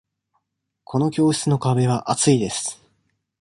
この教室の壁は厚いです。